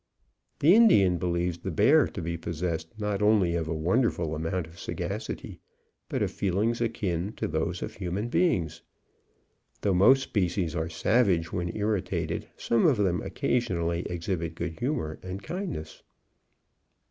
The Indian believes the bear to be possessed not only of a wonderful amount of sagacity, but of feelings akin to those of human beings. Though most species are savage when irritated, some of them occasionally exhibit good humour and kindness.